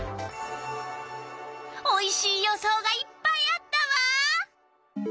おいしい予想がいっぱいあったわ！